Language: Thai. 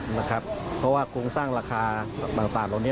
เพราะว่าโครงสร้างราคาหลักบางการเหล่านี้